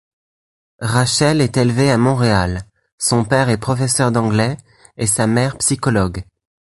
Rachelle est élevée à Montréal, son père est professeur d'anglais et sa mère psychologue.